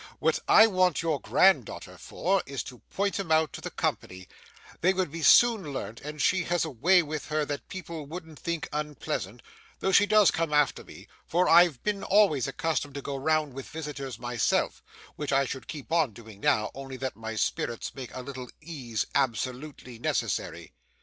What I want your grand daughter for, is to point 'em out to the company; they would be soon learnt, and she has a way with her that people wouldn't think unpleasant, though she does come after me; for I've been always accustomed to go round with visitors myself, which I should keep on doing now, only that my spirits make a little ease absolutely necessary.